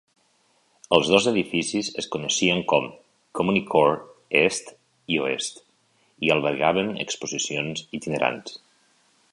Els dos edificis es coneixien com CommuniCore Est i oest i albergaven exposicions itinerants.